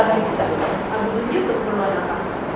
abu jundi untuk pembayaran apa